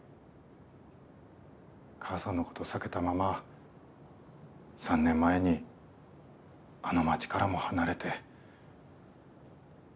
母さんのこと避けたまま３年前にあの町からも離れて。